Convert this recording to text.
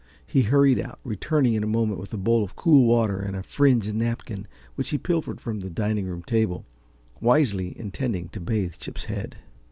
He hurried out, returning in a moment with a bowl of cool water and a fringed napkin which he pilfered from the dining room table, wisely intending to bathe Chip's head.